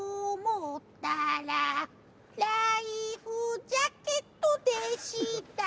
「ライフジャケットでした」